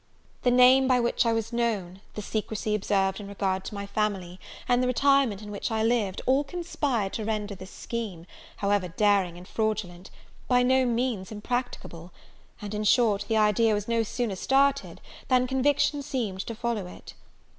The name by which I was known, the secrecy observed in regard to my family, and the retirement in which I lived, all conspired to render this scheme, however daring and fraudulent, by no means impracticable; and, in short, the idea was no sooner started, than conviction seemed to follow it.